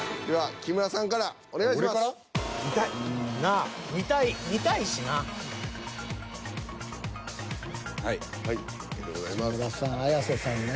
木村さん綾瀬さんね。